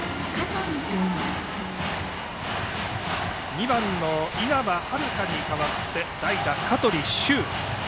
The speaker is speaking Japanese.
２番の稲葉玄に代わって代打、香取柊生。